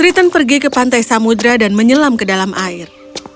ritton pergi ke pantai samudera dan menyelam ke dalam air